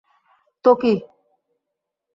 তো, কি?